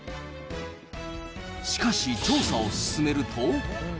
しかし調査を進めると。